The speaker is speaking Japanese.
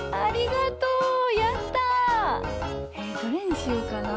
えどれにしようかな？